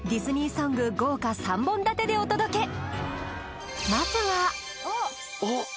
ソング豪華３本立てでお届けいたしました